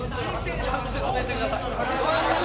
ちゃんと説明してください。